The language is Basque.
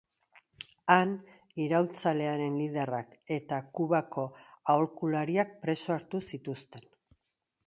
Han, iraultzaren liderrak eta Kubako aholkulariak preso hartu zituzten.